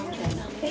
えっ？